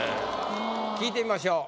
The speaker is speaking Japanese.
聞いてみましょう。